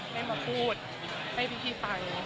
ให้มาพูดให้พี่ฟัง